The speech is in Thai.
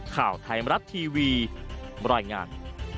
ข่าวไทยมรัฐทีวีบรรยายงาน